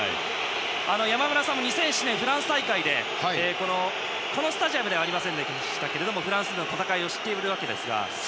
山村さんも２００７年、フランス大会でこのスタジアムではありませんでしたがフランスでの戦いを知っているわけですが。